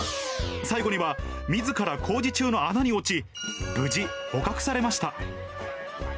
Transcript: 最後にはみずから工事中の穴に落ち、無事、捕獲されました。